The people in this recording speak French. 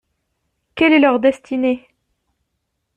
Quelle est leur destinée?